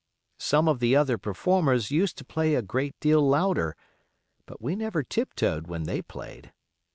Some of the other performers used to play a great deal louder, but we never tiptoed when they played.